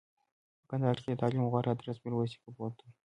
په کندهار کښي دتعلم غوره ادرس میرویس نیکه پوهنتون